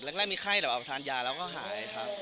แล้วแรกมีไข้อาบาทยาแล้วก็หายครับ